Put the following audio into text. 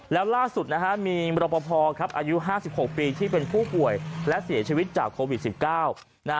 แล้วล่าสุดนะฮะมีมรปภครับอายุ๕๖ปีที่เป็นผู้ป่วยและเสียชีวิตจากโควิด๑๙